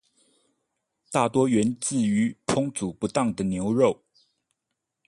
大多源自於烹煮不當的牛肉